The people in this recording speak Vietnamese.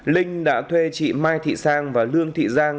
linh đã thuê chị mai thị sang và lương thị giang